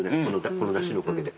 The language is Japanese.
このだしのおかげで。